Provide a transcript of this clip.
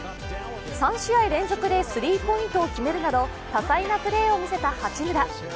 ３試合連続でスリーポイントを決めるなど、多彩なプレーを見せた八村。